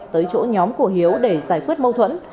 tới chỗ nhóm của hiếu để giải quyết mâu thuẫn